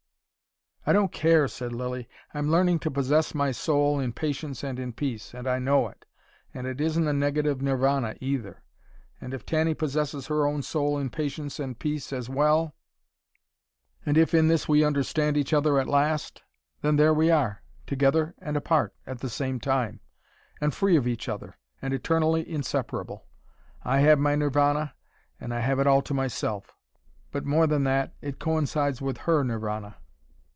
"I don't care," said Lilly, "I'm learning to possess my soul in patience and in peace, and I know it. And it isn't a negative Nirvana either. And if Tanny possesses her own soul in patience and peace as well and if in this we understand each other at last then there we are, together and apart at the same time, and free of each other, and eternally inseparable. I have my Nirvana and I have it all to myself. But more than that. It coincides with her Nirvana."